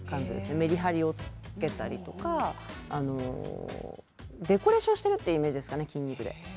メリハリをつけたりとかデコレーションしているというイメージですかね、筋肉で。